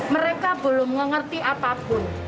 mereka belum mengerti apapun